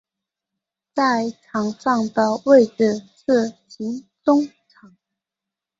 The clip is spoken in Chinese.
在场上的位置是型中场。